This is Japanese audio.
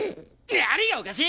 何がおかしい！